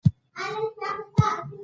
جهاني ولاړې وطن پردی سو